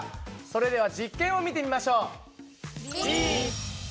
それでは実験を見てみましょう。